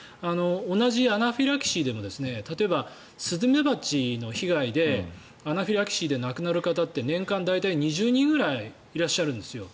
同じアナフィラキシーでも例えばスズメバチの被害でアナフィラキシーで亡くなる方って大体、年間２０人ぐらいいらっしゃるんですよ。